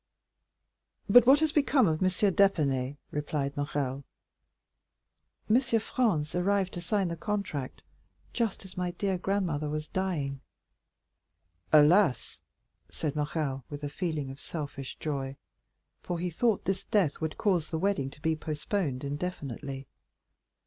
"But what has become of M. d'Épinay?" replied Morrel. 30349m "M. Franz arrived to sign the contract just as my dear grandmother was dying." "Alas," said Morrel with a feeling of selfish joy; for he thought this death would cause the wedding to be postponed indefinitely.